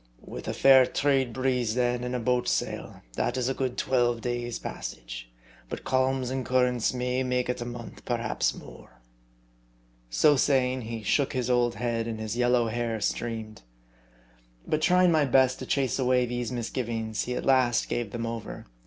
With a fair trade breeze, then, and a boat sail, that is a good twelve days' passage, but calms and currents may make it a month, perhaps more." So saying, he shook his old head, and his yellow hair streamed. But trying my best to chase away these misgivings, he at last gave them over.